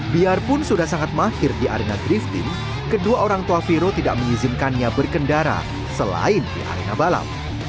biarpun sudah sangat mahir di arena drifting kedua orang tua viro tidak mengizinkannya berkendara selain di arena balap